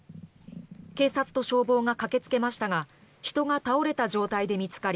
警察と消防が駆けつけましたが人が倒れた状態で見つかり